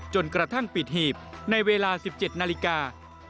จนกระทั่งปิดหีบในเวลา๑๗นาฬิกา